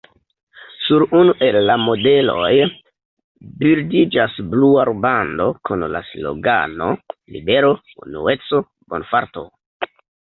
Sur unu el la modeloj bildiĝas blua rubando kun la slogano "libero, unueco, bonfarto".